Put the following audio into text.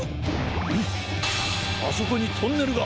むっあそこにトンネルが！